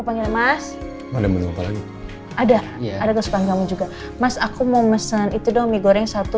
aku panggil mas ada ada ada juga mas aku mau mesen itu dong mie goreng satu